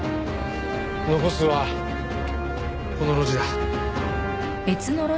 残すはこの路地だ。